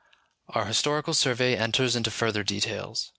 Our historical survey enters into further details.